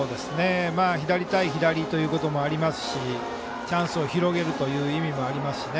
左対左ということもありますしチャンスを広げるという意味もありますしね。